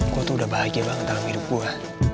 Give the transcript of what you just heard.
kok tuh udah bahagia banget dalam hidup gue